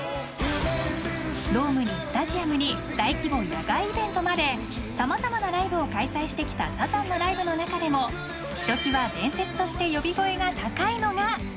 ［ドームにスタジアムに大規模野外イベントまで様々なライブを開催してきたサザンのライブの中でもひときわ伝説として呼び声が高いのが］